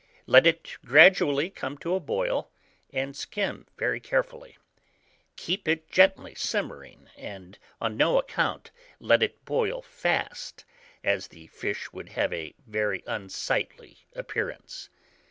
Let it gradually come to a boil, and skim very carefully; keep it gently simmering, and on no account let it boil fast, as the fish would have a very unsightly appearance.